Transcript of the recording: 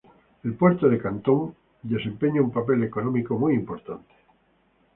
El Puerto de Cantón desempeña un papel económico muy importante.